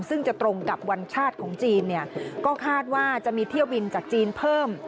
ซึ่งจะตรงกับวันชาติของจีนเนี่ยก็คาดว่าจะมีเที่ยวบินจากจีนเพิ่ม